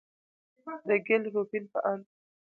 د ګيل روبين په اند،